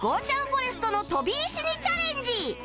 フォレストの飛び石にチャレンジ